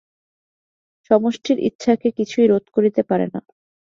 সমষ্টির ইচ্ছাকে কিছুই রোধ করিতে পারে না।